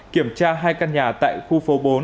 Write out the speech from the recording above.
kiểm tra hai căn nhà tại khu phố bốn